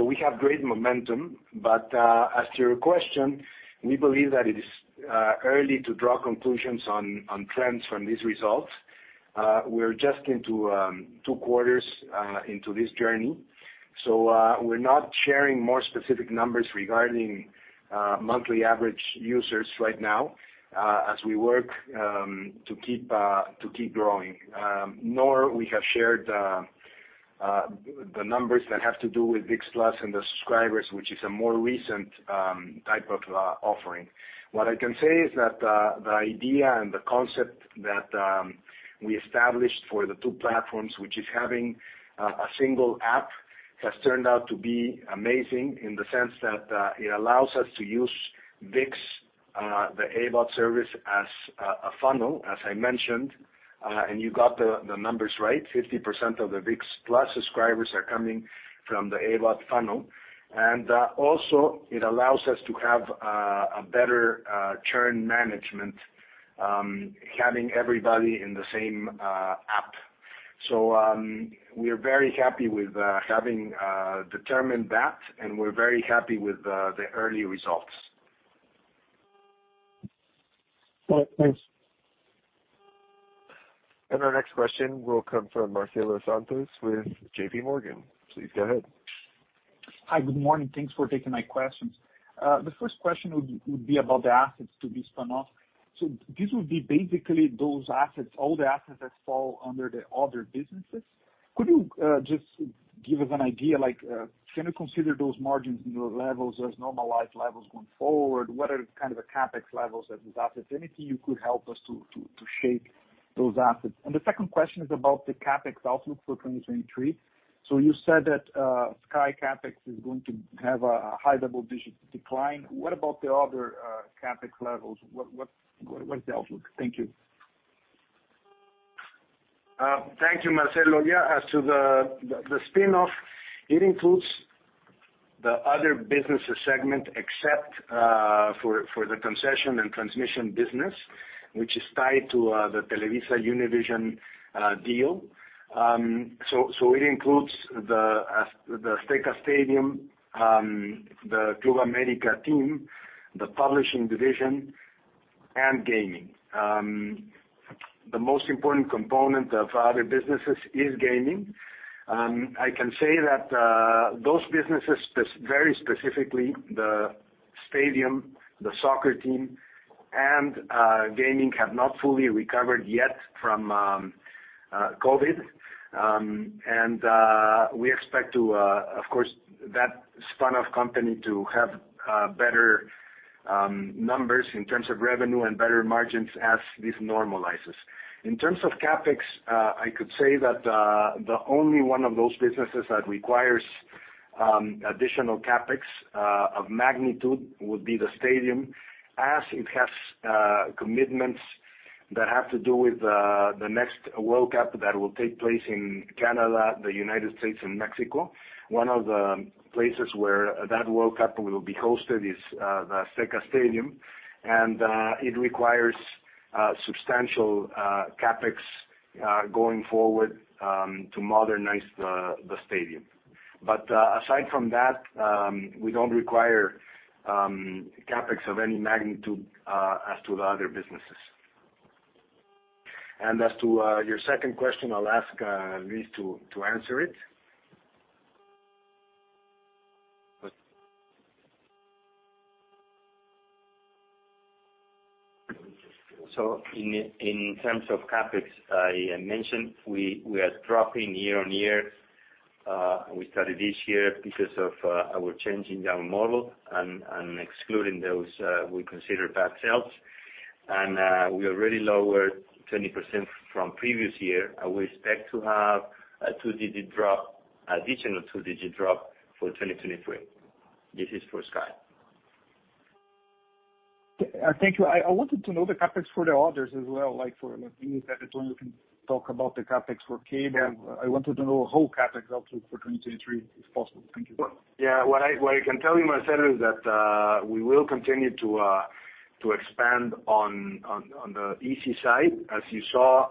Speaker 2: We have great momentum. As to your question, we believe that it is early to draw conclusions on trends from these results. We're just 2 quarters into this journey, we're not sharing more specific numbers regarding monthly average users right now, as we work to keep growing, nor we have shared the numbers that have to do with ViX+ and the subscribers, which is a more recent type of offering. What I can say is that, the idea and the concept that we established for the two platforms, which is having a single app, has turned out to be amazing in the sense that it allows us to use ViX, the AVOD service, as a funnel, as I mentioned. You got the numbers right. 50% of the ViX+ subscribers are coming from the AVOD funnel. Also it allows us to have a better churn management, having everybody in the same app. We're very happy with having determined that, and we're very happy with the early results.
Speaker 8: All right. Thanks.
Speaker 1: Our next question will come from Marcelo Santos with JPMorgan. Please go ahead.
Speaker 9: Hi. Good morning. Thanks for taking my questions. The first question would be about the assets to be spun off. This would be basically those assets, all the assets that fall under the other businesses. Could you just give us an idea, like, can you consider those margins and those levels as normalized levels going forward? What are kind of the CapEx levels of these assets? Anything you could help us to shape those assets. The second question is about the CapEx outlook for 2023. You said that Sky CapEx is going to have a high double-digit decline. What about the other CapEx levels? What is the outlook? Thank you.
Speaker 2: Thank you, Marcelo. Yeah. As to the spin-off, it includes the other businesses segment except for the concession and transmission business, which is tied to the TelevisaUnivision deal. So it includes the Azteca Stadium, the Club América team, the publishing division, and gaming. The most important component of other businesses is gaming. I can say that those businesses, very specifically the stadium, the soccer team, and gaming have not fully recovered yet from COVID. We expect, of course, that spin-off company to have better numbers in terms of revenue and better margins as this normalizes. In terms of CapEx, I could say that the only one of those businesses that requires additional CapEx of magnitude would be The Stadium, as it has commitments that have to do with the next World Cup that will take place in Canada, the United States, and Mexico. One of the places where that World Cup will be hosted is the Azteca Stadium, and it requires substantial CapEx going forward to modernize the stadium. Aside from that, we don't require CapEx of any magnitude as to the other businesses. As to your second question, I'll ask Luis to answer it.
Speaker 4: In terms of CapEx, I mentioned we are dropping year-on-year. We started this year because of our change in our model, and excluding those we consider bad sales. We already lowered 20% from previous year, and we expect to have a two-digit drop, additional two-digit drop for 2023. This is for Sky.
Speaker 9: Thank you. I wanted to know the CapEx for the others as well, like for Latin Pepe Toño can talk about the CapEx for cable.
Speaker 2: Yeah.
Speaker 9: I wanted to know whole CapEx outlook for 2023, if possible. Thank you.
Speaker 2: Well, yeah. What I can tell you, Marcelo, is that we will continue to expand on the EC side. As you saw,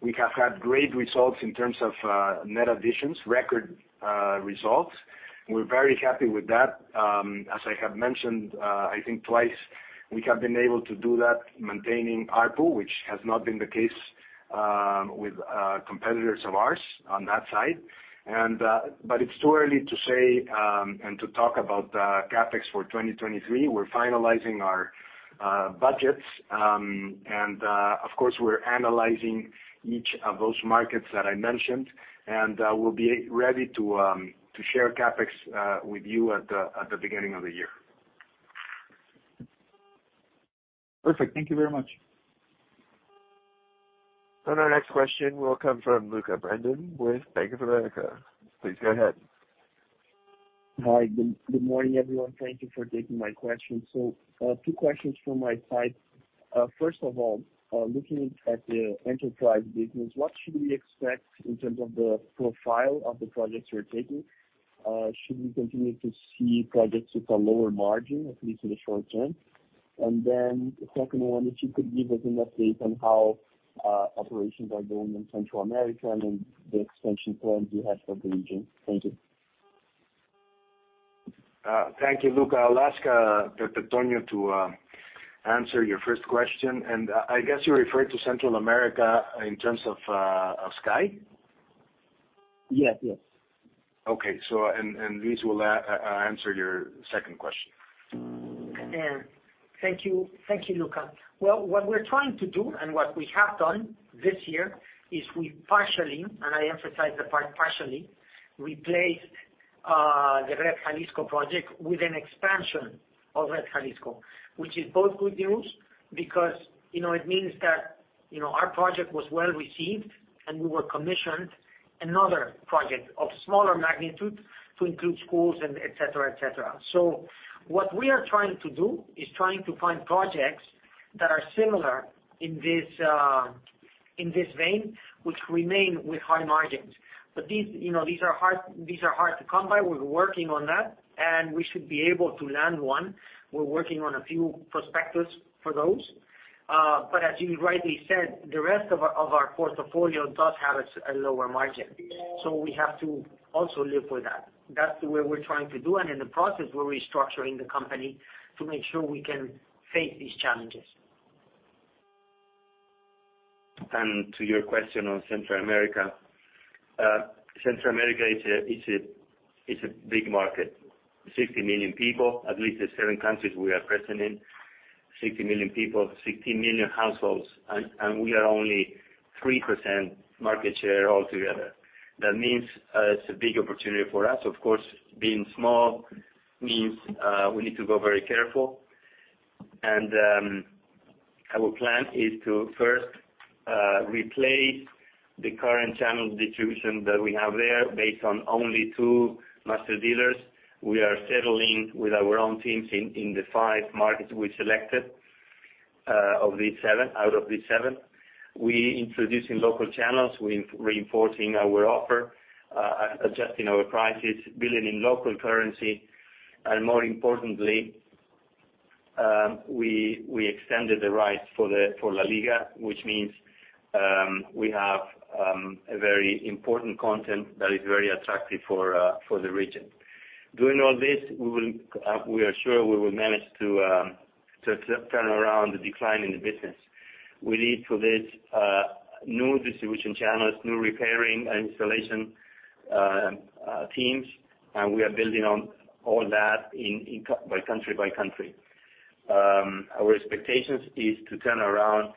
Speaker 2: we have had great results in terms of net additions, record results. We're very happy with that. As I have mentioned, I think twice, we have been able to do that maintaining ARPU, which has not been the case with competitors of ours on that side. But it's too early to say and to talk about CapEx for 2023. We're finalizing our budgets. Of course, we're analyzing each of those markets that I mentioned, and we'll be ready to share CapEx with you at the beginning of the year.
Speaker 9: Perfect. Thank you very much.
Speaker 1: Our next question will come from Luca Brandão with Bank of America. Please go ahead.
Speaker 10: Hi. Good morning, everyone. Thank you for taking my question. So, two questions from my side. First of all, looking at the enterprise business, what should we expect in terms of the profile of the projects you're taking? Should we continue to see projects with a lower margin, at least in the short term? The second one, if you could give us an update on how operations are going in Central America and then the expansion plans you have for the region. Thank you.
Speaker 2: Thank you, Luca. I'll ask for Pepe Toño to answer your first question. I guess you referred to Central America in terms of of Sky?
Speaker 10: Yes. Yes.
Speaker 2: Luis will answer your second question.
Speaker 3: Thank you. Thank you, Luca. Well, what we're trying to do and what we have done this year is we partially, and I emphasize the part partially, replaced the Red Jalisco project with an expansion of Red Jalisco, which is both good news because, you know, it means that, you know, our project was well-received, and we were commissioned another project of smaller magnitude to include schools and et cetera. What we are trying to do is trying to find projects that are similar in this vein, which remain with high margins. These, you know, these are hard to come by. We're working on that, and we should be able to land one. We're working on a few prospects for those. As you rightly said, the rest of our portfolio does have a lower margin. We have to also live with that. That's the way we're trying to do. In the process, we're restructuring the company to make sure we can face these challenges.
Speaker 4: To your question on Central America, Central America is a big market. 60 million people, at least the seven countries we are present in. 60 million people, 60 million households, and we are only 3% market share altogether. That means, it's a big opportunity for us. Of course, being small means, we need to go very carefully. Our plan is to first, replace the current channel distribution that we have there based on only two master dealers. We are settling with our own teams in the five markets we selected of these seven, out of these seven. We're introducing local channels. We're reinforcing our offer, adjusting our prices, billing in local currency. More importantly, we extended the rights for La Liga, which means we have a very important content that is very attractive for the region. Doing all this, we are sure we will manage to turn around the decline in the business. We lead to this new distribution channels, new repairing and installation teams, and we are building on all that in country by country. Our expectations is to turn around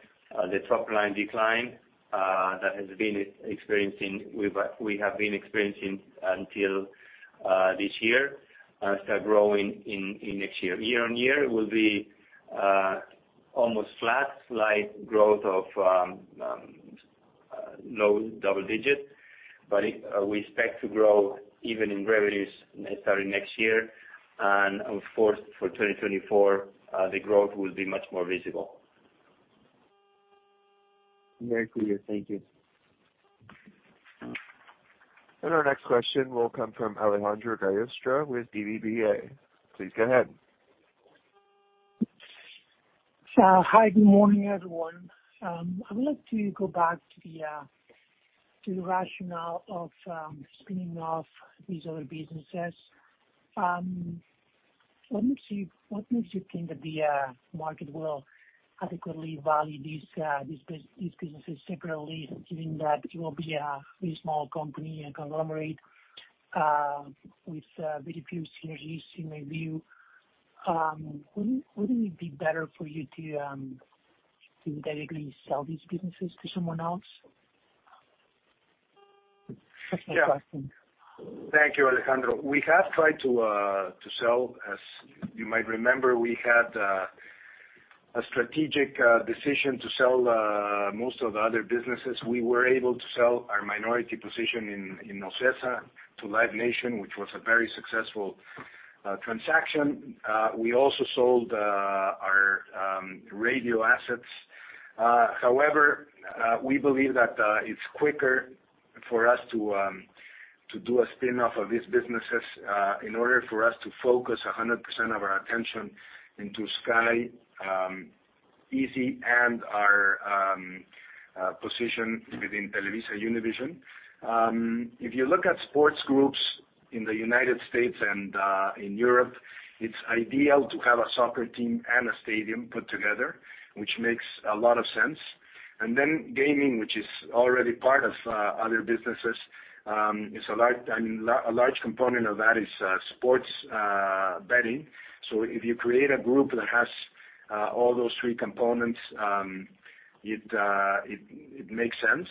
Speaker 4: the top line decline that we have been experiencing until this year start growing in next year. Year-on-year will be almost flat, slight growth of low double digit. We expect to grow even in revenues starting next year. Of course, for 2024, the growth will be much more visible.
Speaker 10: Very clear. Thank you.
Speaker 1: Our next question will come from Alejandro Gallostra with BBVA. Please go ahead.
Speaker 11: Hi, good morning, everyone. I would like to go back to the rationale of spinning off these other businesses. What makes you think that the market will adequately value these businesses separately, given that it will be a very small company, a conglomerate, with very few synergies in my view? Wouldn't it be better for you to directly sell these businesses to someone else? That's my question.
Speaker 2: Yeah. Thank you, Alejandro. We have tried to sell. As you might remember, we had a strategic decision to sell most of the other businesses. We were able to sell our minority position in OCESA to Live Nation, which was a very successful transaction. We also sold our radio assets. However, we believe that it's quicker for us to do a spin off of these businesses in order for us to focus 100% of our attention into Sky, Izzi and our position within TelevisaUnivision. If you look at sports groups in the United States and in Europe, it's ideal to have a soccer team and a stadium put together, which makes a lot of sense. Gaming, which is already part of other businesses, is a large, I mean, a large component of that is sports betting. If you create a group that has all those three components, it makes sense.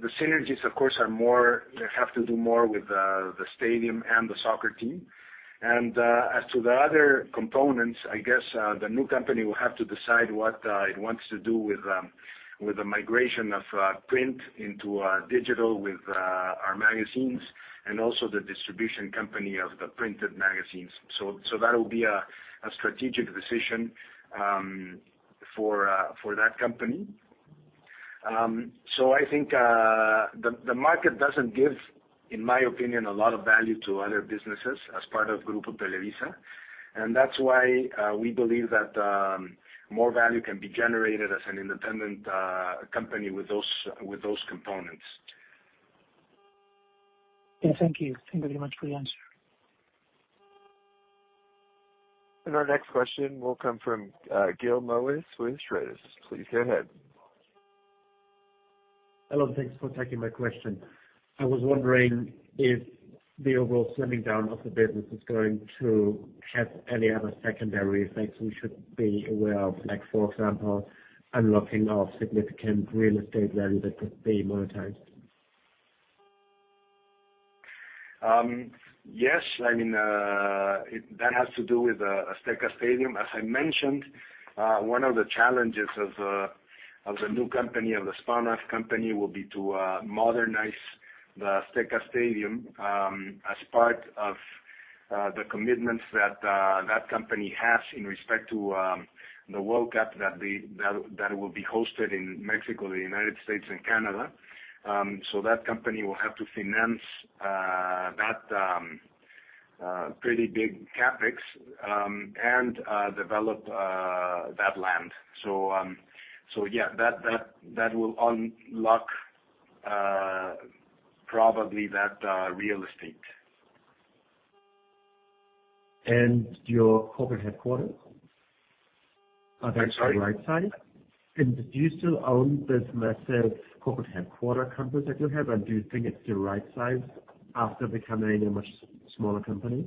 Speaker 2: The synergies, of course, are more, they have to do more with the stadium and the soccer team. As to the other components, I guess, the new company will have to decide what it wants to do with the migration of print into digital with our magazines and also the distribution company of the printed magazines. That'll be a strategic decision for that company. I think the market doesn't give, in my opinion, a lot of value to other businesses as part of Grupo Televisa, and that's why we believe that more value can be generated as an independent company with those components.
Speaker 11: Yeah, thank you. Thank you very much for the answer.
Speaker 1: Our next question will come from Gil Luria with D.A. Davidson. Please go ahead.
Speaker 12: Hello, thanks for taking my question. I was wondering if the overall slimming down of the business is going to have any other secondary effects we should be aware of, like for example, unlocking of significant real estate value that could be monetized.
Speaker 2: Yes. I mean, that has to do with Azteca Stadium. As I mentioned, one of the challenges of the new company, the spinoff company, will be to modernize the Azteca Stadium, as part of the commitments that company has in respect to the World Cup that will be hosted in Mexico, the United States and Canada. That company will have to finance that pretty big CapEx and develop that land. Yeah, that will unlock probably that real estate.
Speaker 12: Your corporate headquarters?
Speaker 2: I'm sorry?
Speaker 12: Are they the right size? Do you still own this massive corporate headquarters campus that you have? Do you think it's the right size after becoming a much smaller company?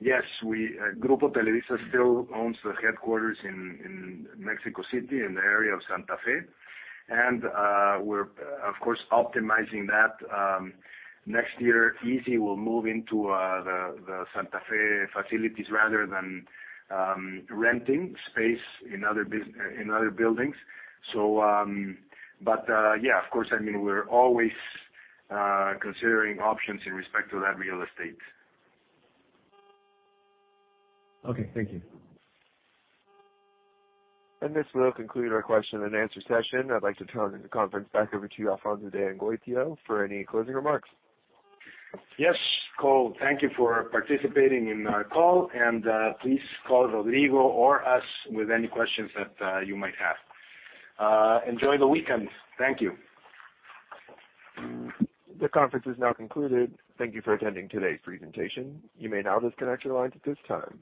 Speaker 2: Yes. We, Grupo Televisa still owns the headquarters in Mexico City, in the area of Santa Fe. We're of course optimizing that. Next year, izzi will move into the Santa Fe facilities rather than renting space in other buildings. Yeah, of course, I mean, we're always considering options in respect to that real estate.
Speaker 12: Okay, thank you.
Speaker 1: This will conclude our question and answer session. I'd like to turn the conference back over to you, Alfonso de Angoitia, for any closing remarks.
Speaker 2: Yes. Cole, thank you for participating in our call and, please call Rodrigo or us with any questions that you might have. Enjoy the weekend. Thank you.
Speaker 1: The conference is now concluded. Thank you for attending today's presentation. You may now disconnect your lines at this time.